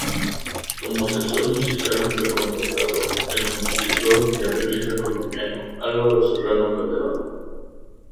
Como asesor musical fue contratado el compositor y arreglista colombiano Álvaro Serrano Calderon.